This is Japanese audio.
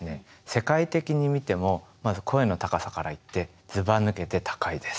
世界的に見ても声の高さからいってずばぬけて高いです。